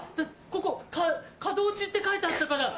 ここ「角打ち」って書いてあったから。